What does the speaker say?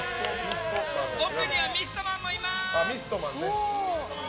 奥にはミストマンもいます！